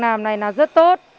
làm này là rất tốt